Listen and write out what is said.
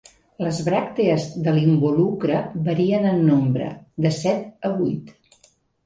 Les bràctees de l'involucre varien en nombre, de set a vuit.